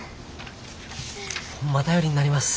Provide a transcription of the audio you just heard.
ホンマ頼りになります。